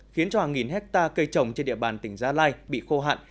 khiến cho hàng nghìn hectare cây trồng trên địa bàn tỉnh gia lai bị khô hạn